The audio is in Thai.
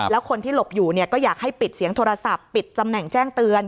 แล้วคนที่หลบอยู่ก็อยากให้ปิดเสียงโทรศัพท์ปิดตำแหน่งแจ้งเตือน